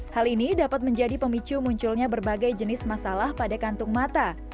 hal ini dapat menjadi pemicu munculnya berbagai jenis masalah pada kantung mata